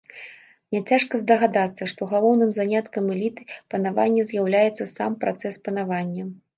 Няцяжка здагадацца, што галоўным заняткам эліты панавання з'яўляецца сам працэс панавання.